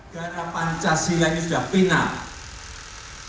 gara pancasila ini sudah final